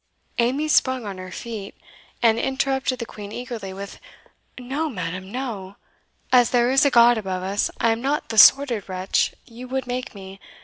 Amy sprung on her feet, and interrupted the Queen eagerly with, "No, madam, no! as there is a God above us, I am not the sordid wretch you would make me!